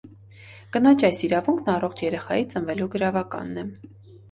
Կնոջ այս իրավունքն առողջ երեխայի ծնվելու գրավականն է։